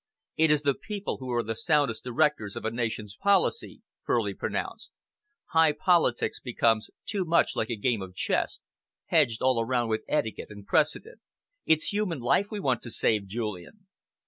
"It is the people who are the soundest directors of a nation's policy," Furley pronounced. "High politics becomes too much like a game of chess, hedged all around with etiquette and precedent. It's human life we want to save, Julian.